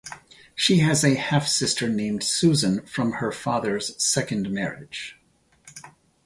She has a half-sister named Susan from her father's second marriage.